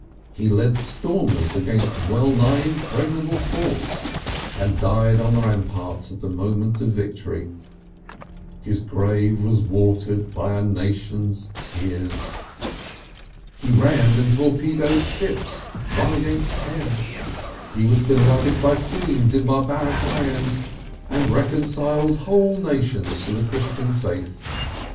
He led stormers against well nigh impregnable forts, and died on the ramparts at the moment of victory. (His grave was watered by a nation's tears.) He rammed and torpedoed ships, one against ten. He was beloved by queens in barbaric lands, and reconciled whole nations to the Christian faith.